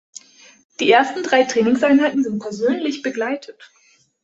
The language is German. Die ersten drei Trainingseinheiten sind persönlich begleitet.